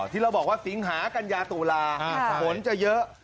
ที่เราบอกว่าสิงหากัญญาตุลาฝนจะเยอะ